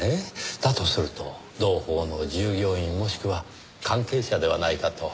だとすると同胞の従業員もしくは関係者ではないかと。